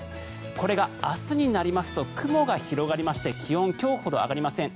これが明日になりますと雲が広がりまして気温、今日ほど上がりません。